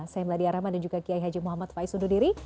saya meladia rahman dan juga kiai haji muhammad faiz undur diri